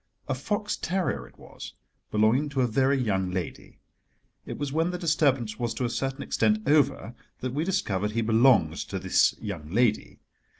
A fox terrier it was, belonging to a very young lady—it was when the disturbance was to a certain extent over that we discovered he belonged to this young lady.